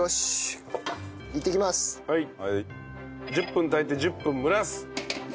１０分炊いて１０分蒸らす！